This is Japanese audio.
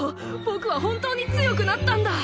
ぼくは本当に強くなったんだ！